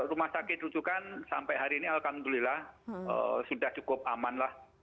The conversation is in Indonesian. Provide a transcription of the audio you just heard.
rumah sakit rujukan sampai hari ini alhamdulillah sudah cukup aman lah